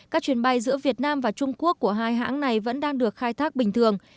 các chuyến bay giữa việt nam và trung quốc của hai hãng này vẫn đang được khai thác bình thường